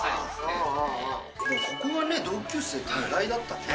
ここがね、同級生っていうの意外だったね。